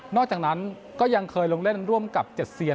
จากนั้นก็ยังเคยลงเล่นร่วมกับ๗เซียน